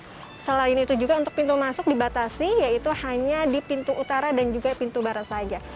nah selain itu juga untuk pintu masuk dibatasi yaitu hanya di pintu utara dan juga pintu barat saja